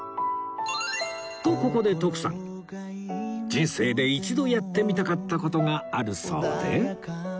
とここで徳さん人生で一度やってみたかった事があるそうで